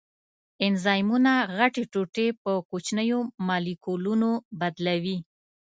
انزایمونه غټې ټوټې په کوچنیو مالیکولونو بدلوي.